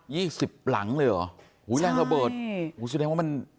ยี่สิบหลังเลยเหรอใช่หูยแรงสะเบิดหูยแสดงว่ามัน